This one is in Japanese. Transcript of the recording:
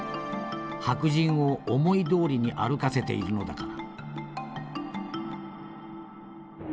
白人を思いどおりに歩かせているのだから」。